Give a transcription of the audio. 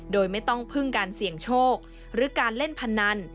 โดยไม่ต้องพึ่งการเสี่ยงโชคหรือการเล่นพนัน